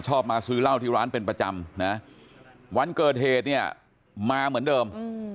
มาซื้อเหล้าที่ร้านเป็นประจำนะวันเกิดเหตุเนี่ยมาเหมือนเดิม